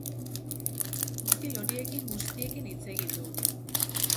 Mutil horiekin guztiekin hitz egin du.